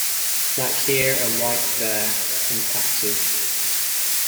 Black here and white there — in patches.